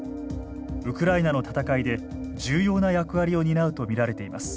ウクライナの戦いで重要な役割を担うと見られています。